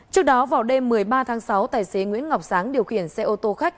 trước đó vào đêm một mươi ba tháng sáu tài xế nguyễn ngọc sáng điều khiển xe ô tô khách